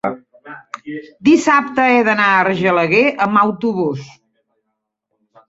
dissabte he d'anar a Argelaguer amb autobús.